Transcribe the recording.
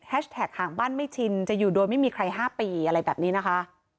ห่างบ้านไม่ชินจะอยู่โดยไม่มีใคร๕ปีอะไรแบบนี้นะคะ